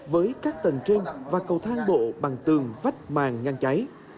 với các tầng trên và cầu thang bộ bằng tường vách màng ngăn cháy